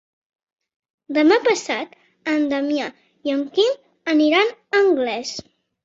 Demà passat en Damià i en Quim aniran a Anglès.